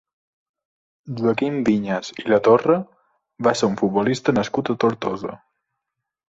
Joaquim Viñas i Latorre va ser un futbolista nascut a Tortosa.